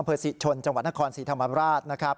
อเภอศิชย์ชนจังหวัดนครสีธรรมราชนะครับ